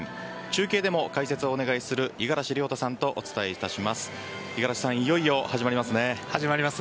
中継でも解説をお願いする五十嵐亮太さんとお伝えいたします。